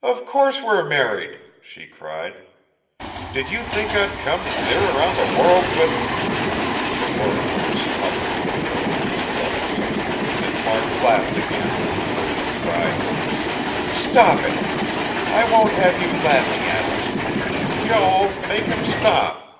"Of course we're married," she cried. "Did you think I'd come clear around the world with...." Her words were smothered in her own hot blushes, and Mark laughed again, until she cried: "Stop it. I won't have you laughing at us. Joel make him stop!"